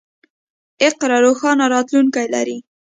اقرا روښانه راتلونکی لري.